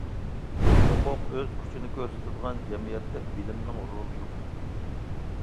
ھوقۇق ئۆز كۈچىنى كۆرسىتىدىغان جەمئىيەتتە بىلىمنىڭ رولى يوق.